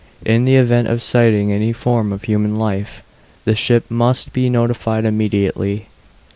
In the event of sighting any form of human life, the ship MUST be notified immediately.